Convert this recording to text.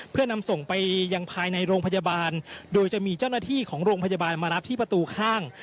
เพื่อนำส่งไปยังภายในโรงพยาบาลโดยจะมีเจ้าหน้าที่ของโรงพยาบาลมารับที่ประตูข้าง